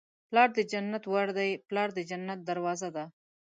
پلار د جنت ور دی. پلار د جنت دروازه ده